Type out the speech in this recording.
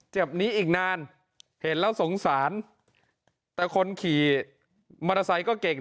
เจ็บนี้อีกนานเห็นแล้วสงสารแต่คนขี่มอเตอร์ไซค์ก็เก่ง